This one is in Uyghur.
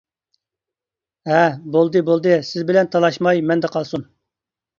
-ھە. بولدى بولدى سىز بىلەن تالاشماي مەندە قالسۇن.